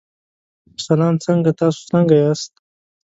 سلام څنګه تاسو څنګه یاست.